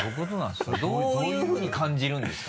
それどういうふうに感じるんですか？